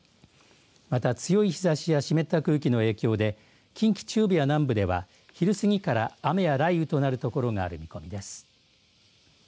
また強い日ざしや湿った空気の影響で近畿中部や南部では昼過ぎから雨や雷雨となる所がある見込みです。